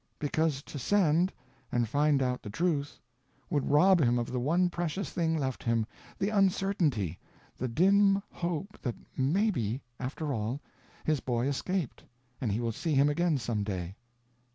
"Because to send—and find out the truth—would rob him of the one precious thing left him, the uncertainty, the dim hope that maybe, after all, his boy escaped, and he will see him again some day."